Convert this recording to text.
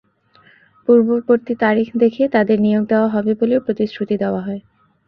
পূর্ববর্তী তারিখ দেখিয়ে তাঁদের নিয়োগ দেওয়া হবে বলেও প্রতিশ্রুতি দেওয়া হয়।